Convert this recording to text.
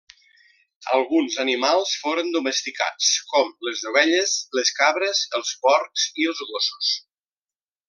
Alguns animals foren domesticats, com les ovelles, les cabres, els porcs i els gossos.